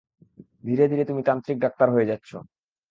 ধীরে ধীরে তুমি তান্ত্রিক ডাক্তার হয়ে যাচ্ছো!